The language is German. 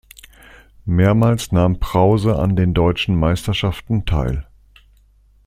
Mehrmals nahm Prause an den deutschen Meisterschaften teil.